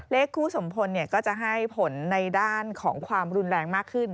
เลขคู่สมพลก็จะให้ผลในด้านของความรุนแรงมากขึ้น